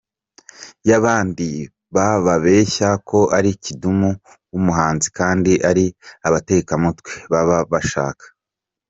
yabandi bababeshya ko ari Kidum wumuhanzi kandi ari abatekamutwe baba bashaka.